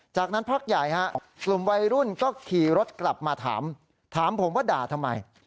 จากนั้นพักใหญ่ฮะกลุ่มวัยรุ่นก็ขี่รถกลับมาถามถามผมว่าด่าทำไม